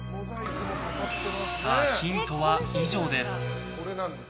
さあ、ヒントは以上です。